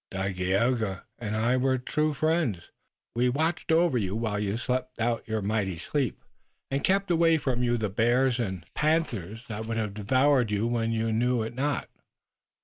Dagaeoga and I were your true friends. We watched over you while you slept out your mighty sleep and kept away from you the bears and panthers that would have devoured you when you knew it not.